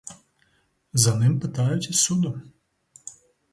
За ним питають із суду.